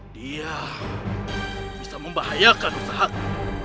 dia bisa membahayakan usaha kita